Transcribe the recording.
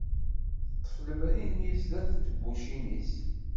Teṭṭef lemri-nni sdat n tebbucin-is.